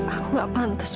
aku gak pantas